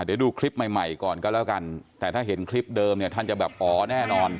เดี๋ยวดูคลิปใหม่ใหม่ก่อนก็แล้วกันแต่ถ้าเห็นคลิปเดิมเนี่ยท่านจะแบบอ๋อแน่นอน